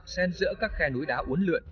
xen giữa các khe núi đá uốn lượn